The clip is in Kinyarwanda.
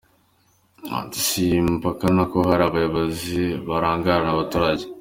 Ati “Simpakana ko hari abayobozi barangarana abaturage.